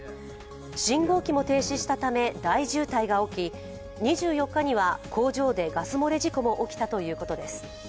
信号機も停止したため大渋滞が起き２４日には工場でガス漏れ事故も起きたということです。